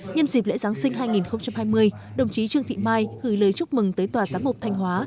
nhân dịp lễ giáng sinh hai nghìn hai mươi đồng chí trương thị mai gửi lời chúc mừng tới tòa giám mục thanh hóa